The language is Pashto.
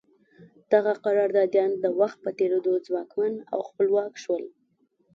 دغه قراردادیان د وخت په تېرېدو ځواکمن او خپلواک شول.